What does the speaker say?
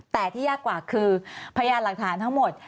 แต่ที่ยากกว่าคือพยานหลักฐานทั้งหมด